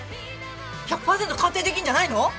１００パーセント鑑定できるんじゃないの！？